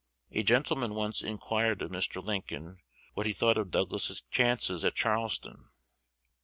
A gentleman once inquired of Mr. Lincoln what he thought of Douglas's chances at Charleston.